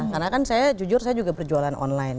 karena kan saya jujur saya juga berjualan online